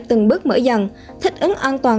từng bước mở dần thích ứng an toàn